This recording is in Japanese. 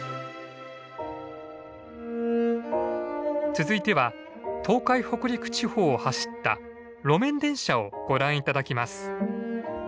続いては東海北陸地方を走った路面電車をご覧頂きます。